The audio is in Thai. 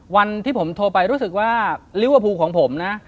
วันที่ผมโทรไปรู้สึกว่าลิเวอร์พูลของผมนะ